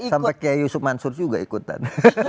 sampai kiai yusuf mansur juga ikutan